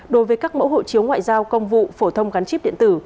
đối với các mẫu hộ chiếu ngoại giao công vụ phổ thông gắn chip điện tử